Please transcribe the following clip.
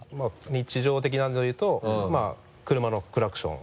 日常的なのでいうと車のクラクション。